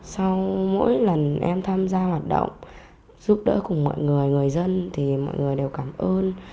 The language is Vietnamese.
sau mỗi lần em tham gia hoạt động giúp đỡ cùng mọi người người dân thì mọi người đều cảm ơn